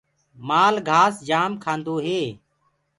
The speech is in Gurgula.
مآل گھآس جآم کآندو هي۔